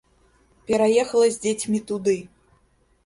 Пераехала з дзецьмі туды.